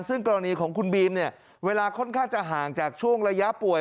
ซึ่งกรณีของคุณบีมเนี่ยเวลาค่อนข้างจะห่างจากช่วงระยะป่วย